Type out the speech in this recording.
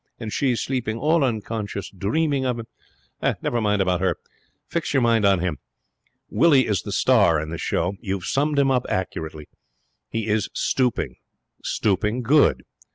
And she, sleeping, all unconscious, dreaming of him ' 'Never mind about her. Fix your mind on him. Willie is the "star" in this show. You have summed him up accurately. He is stooping. Stooping good.